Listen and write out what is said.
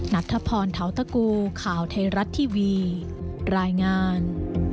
นัทธพรเทาตะกูข่าวไทยรัฐทีวีรายงาน